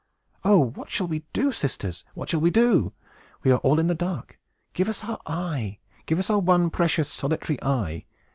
"Oh, what shall we do, sisters? what shall we do? We are all in the dark! Give us our eye! Give us our one, precious, solitary eye!